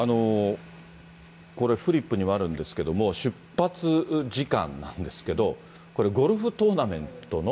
これ、フリップにもあるんですけれども、出発時間なんですけど、これ、ゴルフトーナメントの。